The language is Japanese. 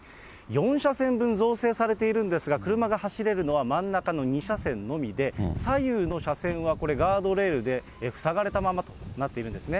４車線分造成されているんですが、車が走れるのは、真ん中の２車線のみで、左右の車線は、これ、ガードレールで塞がれたままとなっているんですね。